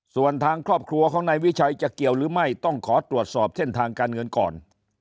ส่วนทางครอบครัวของนายวิชัยจะเกี่ยวหรือไม่ต้องขอตรวจสอบเส้นทางการเงินก่อน